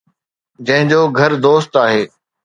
جنهن جو گهر دوست آهي